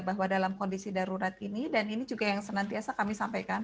bahwa dalam kondisi darurat ini dan ini juga yang senantiasa kami sampaikan